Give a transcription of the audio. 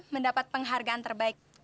mendapat penghargaan terbaik